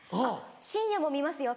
「深夜も見ますよ」。